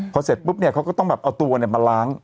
พอเสร็จปุ๊บเนี่ยเขาก็ต้องแบบเอาตัวมาล้าง